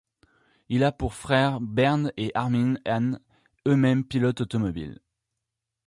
Il a pour frères Bernd et Armin Hahne, eux-mêmes pilotes automobiles.